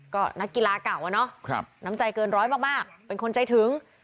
ก็นักกีฬาเก่าอะเนาะน้ำใจเกินร้อยมากเป็นคนใจถึง